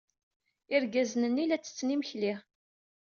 Irgazen-nni la ttetten imekli.